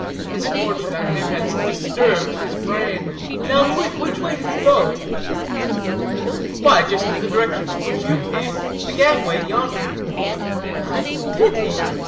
Misfortune, I fear, has disturbed his brain. Now quick, which way did he go?" "Why just in the direction from which you came, the gangway yonder." "Did he?